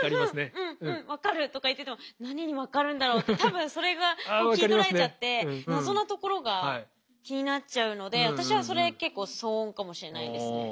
うんうん分かる！」とか言ってても何に分かるんだろうって多分それが気ぃ取られちゃって謎のところが気になっちゃうので私はそれ結構騒音かもしれないですね。